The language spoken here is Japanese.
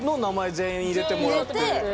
全員入れてもらって。